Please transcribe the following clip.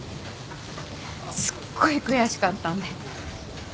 すっごい悔しかったんで。